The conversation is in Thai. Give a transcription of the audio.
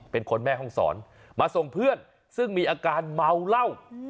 เป็นคนแม่ห้องศรมาส่งเพื่อนซึ่งมีอาการเมาเหล้า